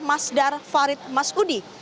masdar farid masudi